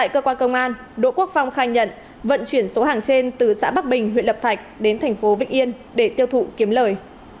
cơ quan công an đỗ quốc phong khai nhận vận chuyển số hàng trên từ xã bắc bình huyện lập thạch đến thành phố vĩnh yên để tiêu thụ kiếm lời